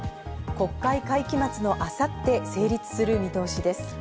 国会会期末の明後日、成立する見通しです。